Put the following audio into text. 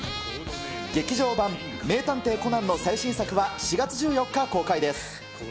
劇場版名探偵コナンの最新作は４月１４日公開です。